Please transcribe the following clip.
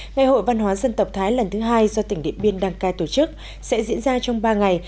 ngày hội văn hóa dân tộc thái lần thứ hai do tỉnh điện biên đăng cai tổ chức sẽ diễn ra trong ba ngày